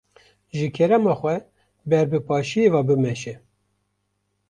Ji kerema xwe ber bi paşiyê ve bimeşe.